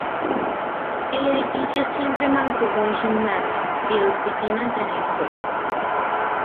El edificio siempre mantuvo un gimnasio, y dos piscinas en el sótano.